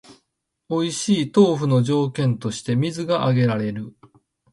おいしい豆腐の条件として水が挙げられる